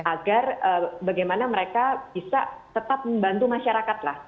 agar bagaimana mereka bisa tetap membantu masyarakat lah